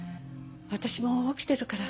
私も起きてるから。